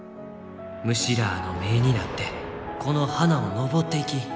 虫らあの目になってこの花を登っていき。